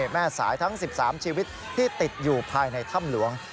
แม่สายทั้ง๑๓ชีวิตที่ติดอยู่ภายในถ้ำหลวง